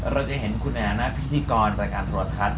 เราจะเห็นคุณในอาณาพิธีกรประการโทรทัศน์